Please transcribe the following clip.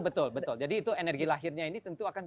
betul betul jadi itu energi lahirnya ini tentu akan